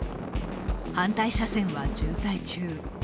反対車線は渋滞中。